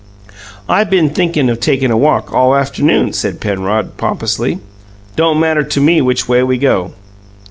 "I been thinkin' of takin' a walk, all afternoon," said Penrod pompously. "Don't matter to me which way we go."